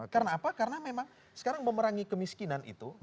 karena apa karena memang sekarang memerangi kemiskinan itu